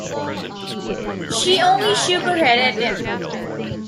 She only shook her head at him.